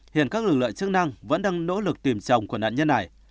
hiện các lực lượng chức năng vẫn đang nỗ lực tìm chồng của nạn nhân này